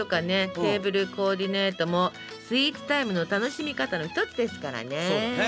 テーブルコーディネートもスイーツタイムの楽しみ方の一つですからねえ。